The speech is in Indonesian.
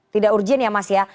tidak urgent ya mas ya